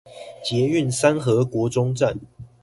捷運三和國中站